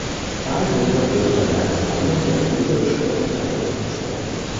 Karl Günther wurde bei einer Teilung der Rudolstädter Teil zugesprochen.